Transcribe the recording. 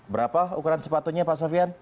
berapa ukuran sepatunya pak sofian